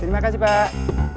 terima kasih pak